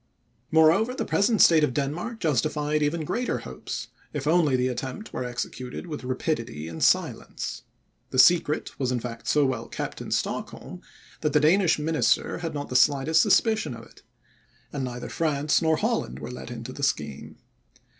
Moreover, the present state of Denmark justified even greater hopes, if only the attempt were executed with rapidity and silence. The secret was in fact so well kept in Stockholm, that the Danish minister had not the slightest suspicion of it; and neither France nor Holland were let into the scheme.